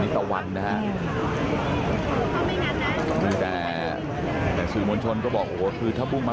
ตะวันอันนี้ตะวันถ้าบุ้งมา